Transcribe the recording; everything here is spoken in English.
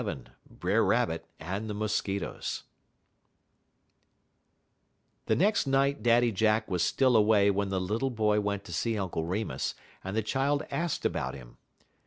XXXVII BRER RABBIT AND THE MOSQUITOES The next night Daddy Jack was still away when the little boy went to see Uncle Remus, and the child asked about him.